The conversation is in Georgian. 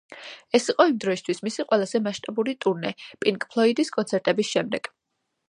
ეს იყო იმ დროისთვის მისი ყველაზე მასშტაბური ტურნე, პინკ ფლოიდის კონცერტების შემდეგ.